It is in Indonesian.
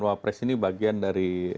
wapres ini bagian dari